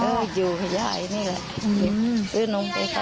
โอ้ยไม่ใช่หรอก